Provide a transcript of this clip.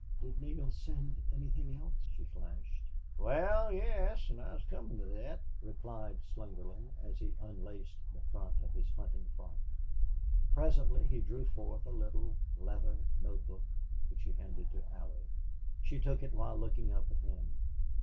"Did Neale send anything else?" she flashed. "Wal, yes, an' I was comin' to thet," replied Slingerland, as he unlaced the front of his hunting frock. Presently he drew forth a little leather note book, which he handed to Allie. She took it while looking up at him.